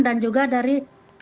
dan juga dari